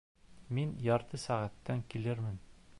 Мин ярты сәғәттән килермен